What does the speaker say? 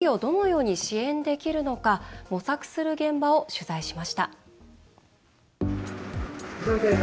こうした中で中小企業をどのように支援できるのか模索する現場を取材しました。